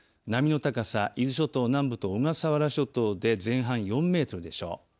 波の高さ伊豆諸島南部と小笠原諸島で前半４メートルでしょう。